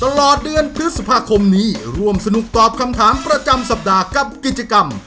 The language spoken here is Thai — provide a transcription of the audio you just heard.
ตลอดเดือนพฤษภาคมนี้ร่วมสนุกตอบคำถามประจำสัปดาห์กับกิจกรรม